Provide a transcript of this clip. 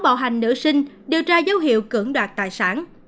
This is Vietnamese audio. bạo hành nữ sinh điều tra dấu hiệu cưỡng đoạt tài sản